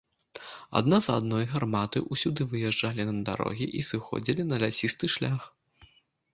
Адна за адной гарматы ўсюды выязджалі на дарогі і сыходзілі на лясісты шлях.